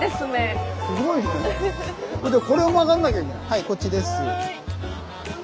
はいこっちです。